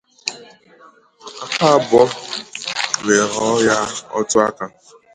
aka abụọ wee ghọọ ya otu aka.